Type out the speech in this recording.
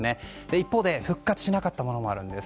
一方で復活しなかったものもあるんです。